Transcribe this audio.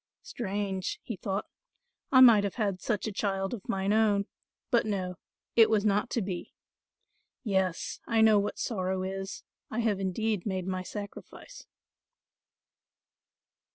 "Strange," he thought, "I might have had such a child of mine own; but no, it was not to be. Yes, I know what sorrow is: I have indeed made my sacrifice.